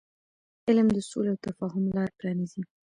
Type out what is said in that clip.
علم د سولې او تفاهم لار پرانیزي.